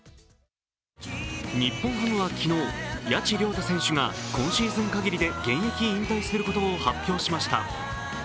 日本ハムは昨日、谷内亮太選手が今シーズンかぎりで現役を引退することを発表しました。